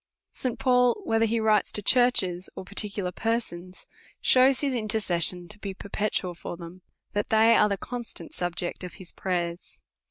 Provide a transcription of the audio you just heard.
St. Paul, whether he writes to churches, or particu lar persons, shews his intercession to be perpetual for them, that they are the constant subject of his pray ers.